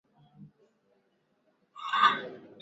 Hali ni mbaya na hatuwezi kuruhusu chanzo